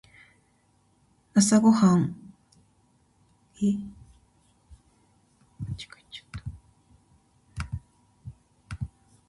朝はご飯派？パン派？それともシリアル？